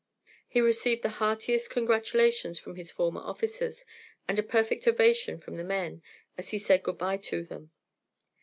He received the heartiest congratulations from his former officers, and a perfect ovation from the men, as he said good bye to them.